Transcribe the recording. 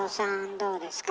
どうですか？